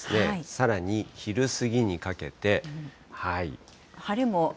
さらに昼過ぎにかけて、。